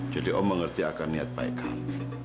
jadi om mengerti akan niat baik kam